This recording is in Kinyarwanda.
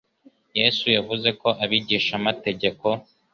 Yesu yavuze ko abigishamategeko,